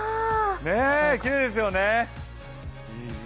きれいですよね。